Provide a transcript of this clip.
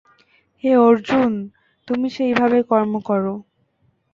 হে অর্জুন, তুমি সেইভাবে কর্ম কর।